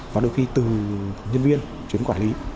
và đôi khi từ nhân viên chuyến quản lý